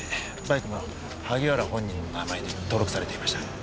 バイクも萩原本人の名前で登録されていました。